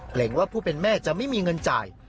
ว่าผู้เป็นแม่จะไม่มีเงินจ่าย